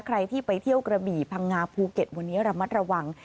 ใครที่ไปเที่ยวกระบี่พังงาภูเก็ตวันนี้ระมัดระวัง